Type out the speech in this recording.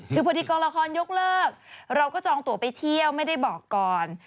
คือพอดีกองละครยกเลิกเราก็จองตัวไปเที่ยวไม่ได้บอกก่อน